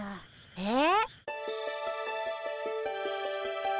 えっ？